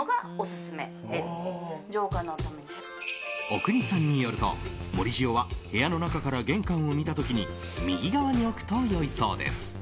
阿国さんによると盛り塩は、部屋の中から玄関を見た時に右側に置くと良いそうです。